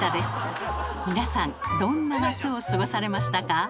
皆さんどんな夏を過ごされましたか？